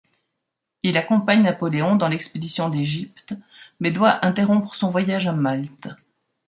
Il accompagne Napoléon dans l'expédition d'Égypte, mais doit interrompre son voyage à Malte.